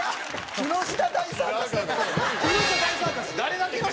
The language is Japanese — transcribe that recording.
木下大サーカスの人。